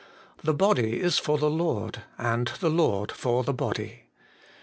The body is for the Lord, and the Lord for the body.